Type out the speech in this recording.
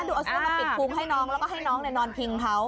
ดูเอาเซ็ทมาปิดภูมิให้น้องแล้วให้น้องนะนอนพิงเผา